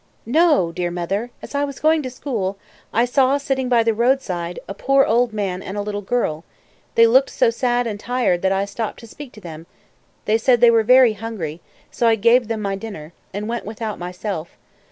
"No, dear mother; as I was going to school, I saw, sitting by the roadside, a poor old man and a little girl; they looked so sad and tired that I stopped to speak to them; they said they were very hungry so I gave them my dinner, and went without myself.